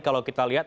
kalau kita lihat